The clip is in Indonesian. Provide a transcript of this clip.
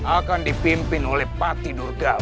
akan dipimpin oleh bati durgal